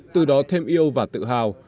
từ đó thêm yêu và tự hào